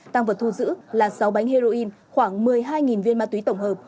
tăng vật thu giữ là sáu bánh heroin khoảng một mươi hai viên ma túy tổng hợp